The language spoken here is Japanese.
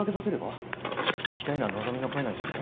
聞きたいのは希の声なんじゃないの？